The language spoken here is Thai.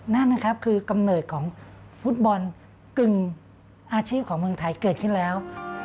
นั่นนะครับคือกำเนิดของฟุตบอลกึ่งอาชีพของเมืองไทยเกิดขึ้นแล้ว